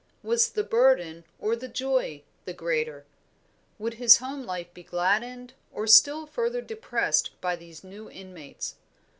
Was the burden or the joy the greater? Would his home life be gladdened or still further depressed by these new inmates?